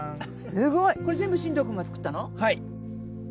すごいこれ全部新藤君が作ったのはい。